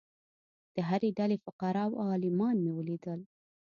د هرې ډلې فقراء او عالمان مې ولیدل.